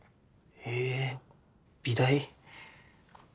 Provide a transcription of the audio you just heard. へえ美大？